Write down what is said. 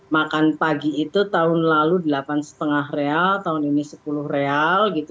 makan pagi itu tahun lalu rp delapan lima tahun ini rp sepuluh